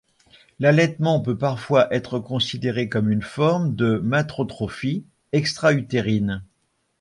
L'allaitement peut parfois être considéré comme une forme de matrotrophie extra-utérine.